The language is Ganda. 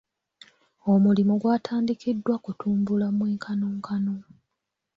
Omulimu gwatandikiddwa kutumbula mwenkanonkano.